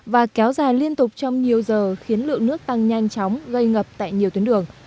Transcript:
và kéo dài liên tục trong nhiều giờ khiến lượng nước tăng nhanh chóng gây ngập tại nhiều tuyến đường